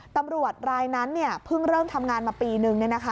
ตำรวจรายนั้นเพิ่งเริ่มทำงานมาปีนึง